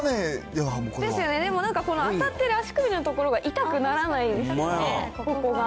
でもなんか、この当たっている足首の所が痛くならないですよね、ここが。